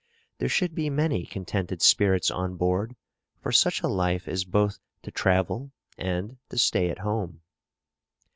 There should be many contented spirits on board, for such a life is both to travel and to stay at home.